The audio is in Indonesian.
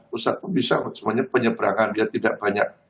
pusat pun bisa semuanya penyeberangan dia tidak banyak